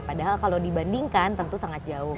padahal kalau dibandingkan tentu sangat jauh